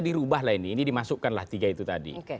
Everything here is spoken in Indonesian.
dirubahlah ini ini dimasukkanlah tiga itu tadi